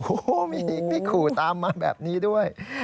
โอ้โฮมีอีกพี่ขู่ตามมาแบบนี้ด้วย